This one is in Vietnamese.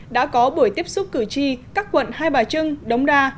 đã có buổi tiếp xúc cử tri các quận hai bà trưng đống đa